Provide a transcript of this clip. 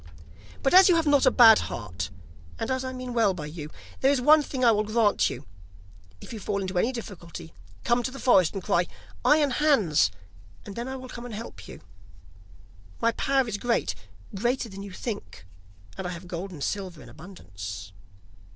But as you have not a bad heart, and as I mean well by you, there is one thing I will grant you; if you fall into any difficulty, come to the forest and cry: "Iron Hans," and then I will come and help you. My power is great, greater than you think, and I have gold and silver in abundance.